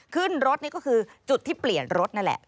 ขึ้นรถนี่ก็คือจุดที่เปลี่ยนรถนั่นแหละ